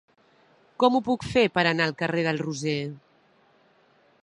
Com ho puc fer per anar al carrer del Roser?